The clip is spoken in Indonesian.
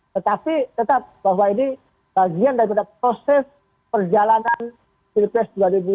tetapi tetap bahwa ini bagian dari proses perjalanan cilpres dua ribu dua puluh empat